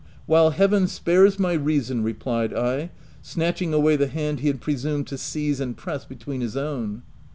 — while heaven spares my reason, replied I, snatching away the hand he had pre sumed to seize and press between his own.